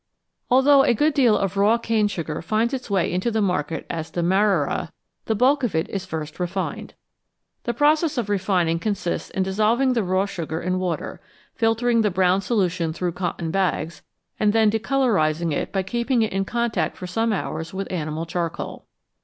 Although a good deal of raw cane sugar finds its way into the market as " Demarara," the bulk of it is first refined. The process of refining consists in dis solving the raw sugar in water, filtering the brown solution through cotton bags, and then decolorising it by keeping it in contact for some hours with animal charcoal.